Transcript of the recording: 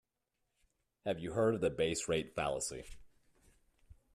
Have you heard of the base rate fallacy?